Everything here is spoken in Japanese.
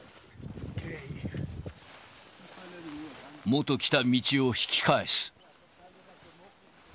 もと来た道を引き返す。